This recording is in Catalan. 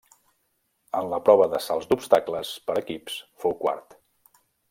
En la prova de salts d'obstacles per equips fou quart.